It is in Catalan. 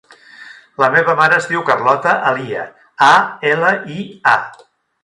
La meva mare es diu Carlota Alia: a, ela, i, a.